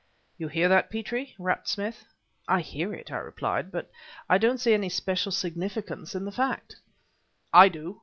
"You hear that, Petrie?" rapped Smith. "I hear it," I replied, "but I don't see any special significance in the fact." "I do!"